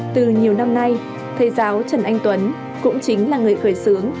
từ nhiều năm nay thầy giáo trần anh tuấn cũng chính là người khởi xướng